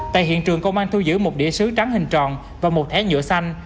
tại hiện trường công an thu giữ một địa sứ trắng hình tròn và một thẻ nhựa xanh